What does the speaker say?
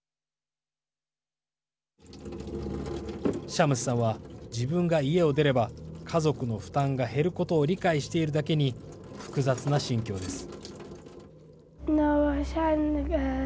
シャムスさんは自分が家を出れば家族の負担が減ることを理解しているだけに複雑な心境です。